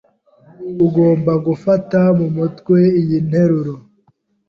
Ugomba gufata mu mutwe iyi nteruro.